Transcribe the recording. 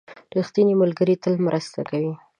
• ریښتینی ملګری تل مرسته کوي.